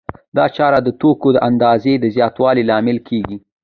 دا چاره د توکو د اندازې د زیاتوالي لامل کېږي